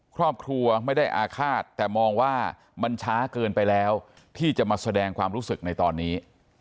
ครอบครัวไม่ได้อาฆาตแต่มองว่ามันช้าเกินไปแล้วที่จะมาแสดงความรู้สึกในตอนนี้